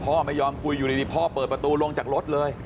พ่อไม่ยอมคุยอยู่ดีพ่อเปิดประตูลงจากรถเลย